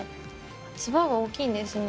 つばが大きいんですね